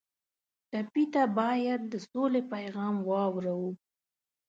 ټپي ته باید د سولې پیغام واورو.